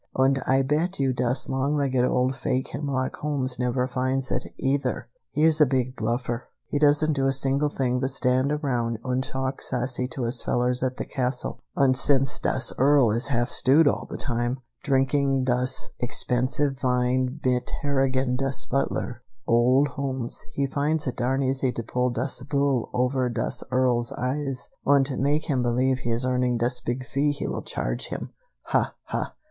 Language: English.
Und Ay bet you das long legged old fake Hemlock Holmes never finds it, either! He is a big bluffer. He doesn't do a single thing but stand around und talk sassy to us fellers at the castle, und since das Earl is half stewed all the time, drinking das expensive vine mit Harrigan das butler, old Holmes, he finds it darned easy to pull das vool over das Earl's eyes, und make him believe he is earning das big fee he vill charge him! Ha, ha!